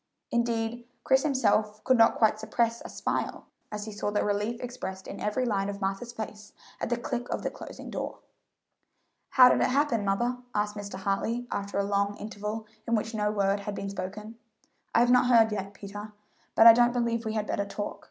Indeed, Chris himself could not quite suppress a smile as he saw the relief expressed in every line of Martha's face at the click of the closing door. "How did it happen, mother?" asked Mr. Hartley, after a long interval in which no word had been spoken. "I have not heard yet, Peter; but I don't believe we had better talk.